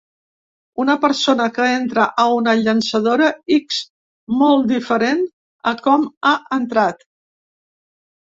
Una persona que entra a una llançadora ix molt diferent a com ha entrat.